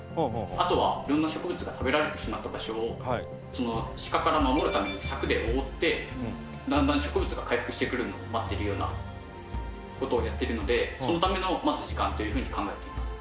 あとは色んな植物が食べられてしまった場所をシカから守るために柵で覆ってだんだん植物が回復してくるのを待ってるような事をやってるのでそのためのまず時間というふうに考えています。